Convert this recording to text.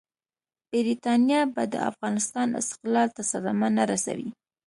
برټانیه به د افغانستان استقلال ته صدمه نه رسوي.